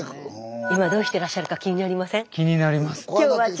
今どうしてらっしゃるか気になりません？